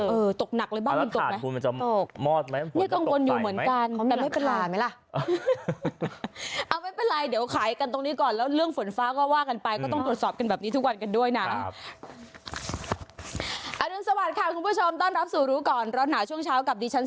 เออตกหนักเลยบ้างมันตกไหมตกมารมอดไหมตกใส่ไหมก็เกินอยู่เหมือนกัน